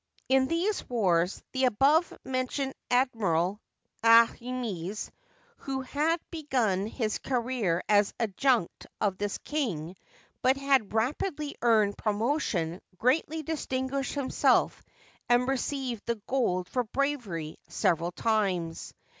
In these wars the above mentioned admiral, Aahmes, who had begun his career as adjutant of this king, but had rapidly earned promotion, greatly distinguished himself, and received the "gold for bravery" several times.